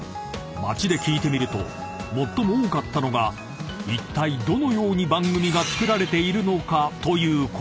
［街で聞いてみると最も多かったのがいったいどのように番組が作られているのかという声］